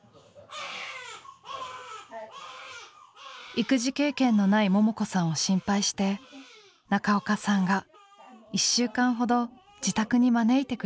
育児経験のないももこさんを心配して中岡さんが１週間ほど自宅に招いてくれました。